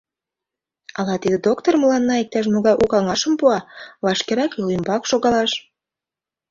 Ала тиде доктыр мыланна иктаж-могай у каҥашым пуа... вашкерак йол ӱмбак шогалаш.